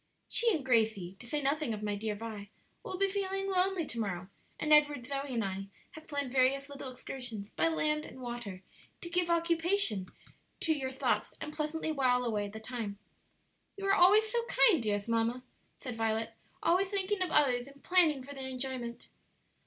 "She and Gracie, to say nothing of my dear Vi, will be feeling lonely to morrow, and Edward, Zoe, and I have planned various little excursions, by land and water, to give occupation to your thoughts and pleasantly while away the time." "You are always so kind, dearest mamma," said Violet; "always thinking of others and planning for their enjoyment."